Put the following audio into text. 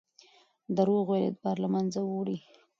درواغ ویل اعتبار له منځه وړي.